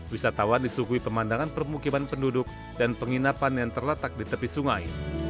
wisatawan disuguhi pemandangan permukiman penduduk dan penginapan yang terletak di tepi sungai